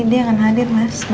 dia akan hadir mas